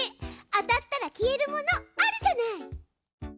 当たったら消えるものあるじゃない。